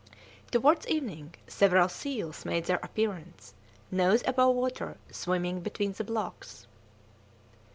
Towards evening several seals made their appearance, nose above water, swimming between the blocks.